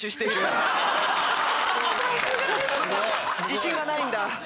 自信がないんだ。